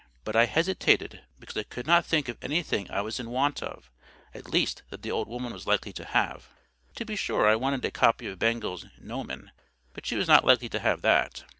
But I hesitated, because I could not think of anything I was in want of—at least that the old woman was likely to have. To be sure I wanted a copy of Bengel's "Gnomon;" but she was not likely to have that.